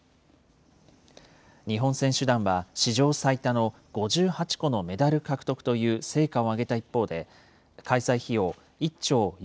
日本選手団は、史上最多の５８個のメダル獲得という成果を上げた一方で、開催費用